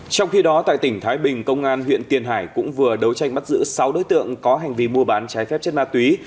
trong khi đó tại tỉnh thái bình công an huyện tiền hải cũng vừa đấu tranh bắt giữ sáu đối tượng có hành vi mua bán trái phép chất ma túy